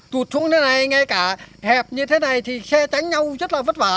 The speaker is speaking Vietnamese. tụt xuống thế này ngay cả hẹp như thế này thì xe đánh nhau rất là vất vả